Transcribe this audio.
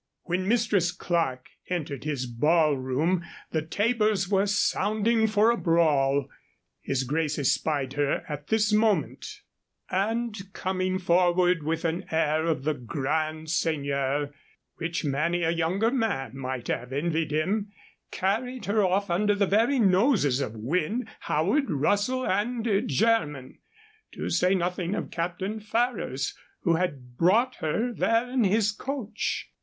When Mistress Clerke entered his ballroom the tabors were sounding for a brawl. His grace espied her at this moment, and, coming forward with an air of the grand seigneur which many a younger man might have envied him, carried her off under the very noses of Wynne, Howard, Russell, and Jermyn, to say nothing of Captain Ferrers, who had brought her there in his coach.